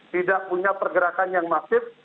tidak punya pergerakan yang masif